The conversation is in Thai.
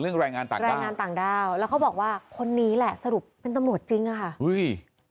แรงงานต่างด้าแรงงานต่างด้าวแล้วเขาบอกว่าคนนี้แหละสรุปเป็นตำรวจจริงอะค่ะอุ้ย